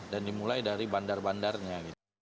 dan dimulai dari bandar bandarnya